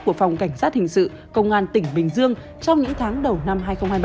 của phòng cảnh sát hình sự công an tỉnh bình dương trong những tháng đầu năm hai nghìn hai mươi ba